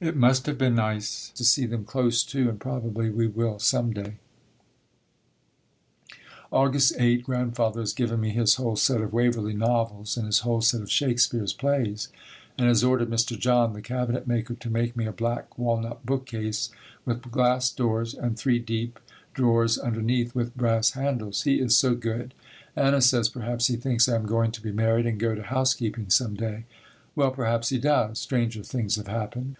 It must have been nice to see them close to and probably we will some day. [Illustration: Grandmother's Rocking Chair, "The Grandfather Clock"] August 8. Grandfather has given me his whole set of Waverley novels and his whole set of Shakespeare's plays, and has ordered Mr. Jahn, the cabinetmaker, to make me a black walnut bookcase, with glass doors and three deep drawers underneath, with brass handles. He is so good. Anna says perhaps he thinks I am going to be married and go to housekeeping some day. Well, perhaps he does. Stranger things have happened.